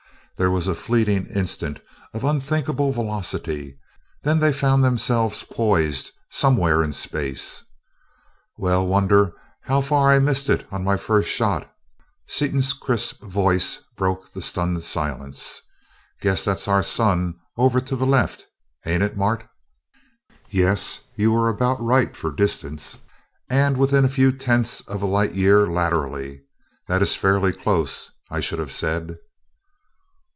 There was a fleeting instant of unthinkable velocity; then they found themselves poised somewhere in space. "Well, wonder how far I missed it on my first shot?" Seaton's crisp voice broke the stunned silence. "Guess that's our sun, over to the left, ain't it, Mart?" "Yes. You were about right for distance, and within a few tenths of a light year laterally. That is fairly close, I should have said."